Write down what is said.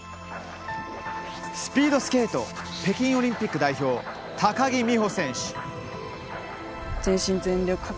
スピードスケート北京オリンピック代表高木美帆選手。